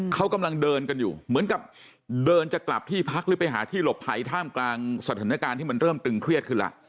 เขากำลังเดินกันอยู่เหมือนกับเดินจะกลับที่พักหรือไปหาที่หลบภัยท่ามกลางสถานการณ์ที่มันเริ่มตึงเครียดขึ้นแล้ว